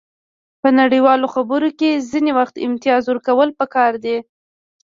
په نړیوالو خبرو کې ځینې وخت امتیاز ورکول پکار دي